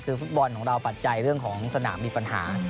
คือฟุตบอลของเราปัจจัยเรื่องของสนามมีปัญหา